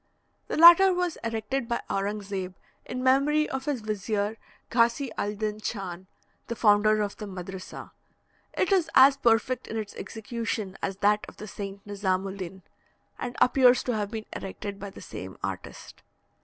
The latter was erected by Aurang Zeb, in memory of his vizier Ghasy al dyn Chan, the founder of the madrissa. It is as perfect in its execution as that of the saint Nizam ul din, and appears to have been erected by the same artist.